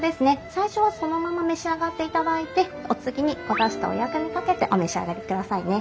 最初はそのまま召し上がっていただいてお次におだしとお薬味かけてお召し上がりくださいね。